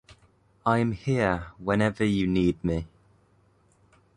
I'm here whenever you need me.